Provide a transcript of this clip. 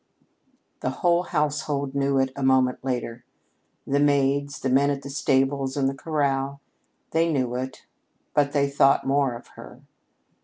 The whole household knew it a moment later the maids, the men at the stables and the corral. They knew it, but they thought more of her.